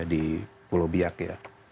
jadi di pulau biak ya